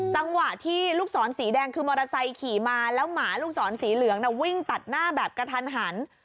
จังหวะที่ลูกศรสีแดงคือมอเตอร์ไซค์ขี่มาแล้วหมาลูกศรสีเหลืองน่ะวิ่งตัดหน้าแบบกระทันหัน